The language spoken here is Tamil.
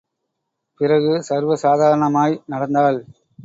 பிறகு, சர்வசாதாரணமாய் நடந்தாள்.